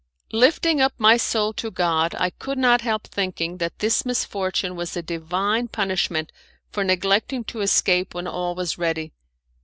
Lifting up my soul to God I could not help thinking that this misfortune was a Divine punishment for neglecting to escape when all was ready.